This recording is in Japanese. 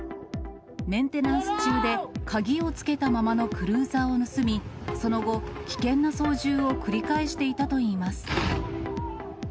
メンテナンス中で、鍵をつけたままのクルーザーを盗み、その後、危険な操縦を繰り返していたといいます。